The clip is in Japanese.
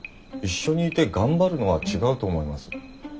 一緒にいて頑張るのは違うと思います。